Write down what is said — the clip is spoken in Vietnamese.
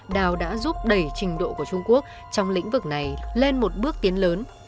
đào đã giúp đẩy trình độ của trung quốc trong lĩnh vực này lên một bước tiến lớn